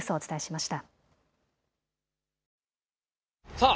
さあ